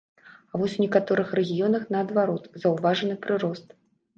А вось у некаторых рэгіёнах, наадварот, заўважаны прырост.